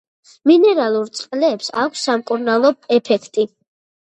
მინერალურ წყლებს აქვს სამკურნალო ეფექტი.